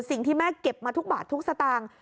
สิ่งที่แม่เก็บมาทุกบาททุกสตางค์